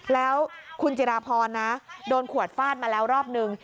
แล้วคุณจิราพรนะโดนขวดฟาดมาแล้วรอบนึง